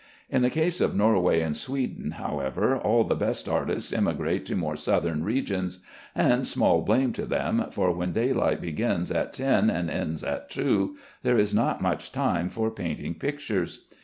In the case of Norway and Sweden, however, all the best artists emigrate to more southern regions; and small blame to them, for when daylight begins at ten and ends at two, there is not much time for painting pictures.